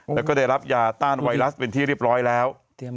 แล้วก็ได้รับยาต้านไวรัสเป็นที่เรียบร้อยแล้ว